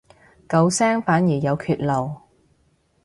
九聲反而有缺漏